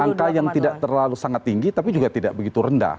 angka yang tidak terlalu sangat tinggi tapi juga tidak begitu rendah